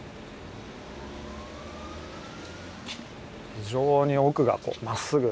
非常に奥がまっすぐ。